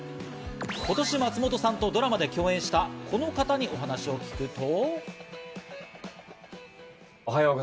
今年、松本さんとドラマで共演したこの方にお話を聞くと。